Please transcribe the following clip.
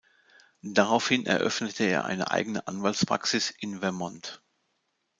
Daraufhin eröffnete er eine eigene Anwaltspraxis in Vermont.